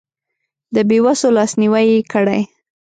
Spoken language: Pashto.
د بې وسو لاسنیوی یې کړی.